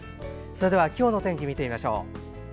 それでは今日の天気見てみましょう。